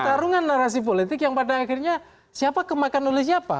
pertarungan narasi politik yang pada akhirnya siapa kemakan oleh siapa